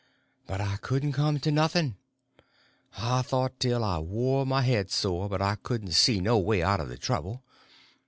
But I couldn't come to nothing. I thought till I wore my head sore, but I couldn't see no way out of the trouble.